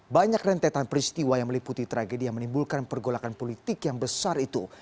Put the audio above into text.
banyak rentetan peristiwa yang meliputi tragedi yang menimbulkan pergolakan politik yang besar itu